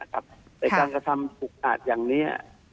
แต่การกระทำอุกอาจอย่างนี้